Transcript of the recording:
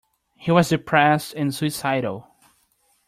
He was depressed and suicidal.